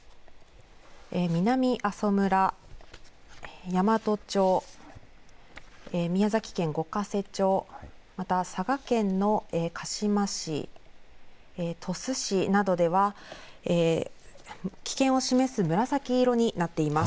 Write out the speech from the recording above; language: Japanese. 南阿蘇村、山都町、宮崎県五ヶ瀬町、また佐賀県の鹿島市、鳥栖市などでは危険を示す紫色になっています。